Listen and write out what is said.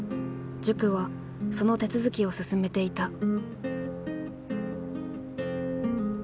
塾はその手続きを進めていた。